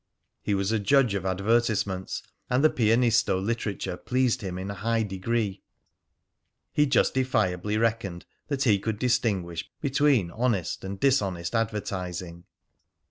He was a judge of advertisements, and the "Pianisto" literature pleased him in a high degree. He justifiably reckoned that he could distinguish between honest and dishonest advertising.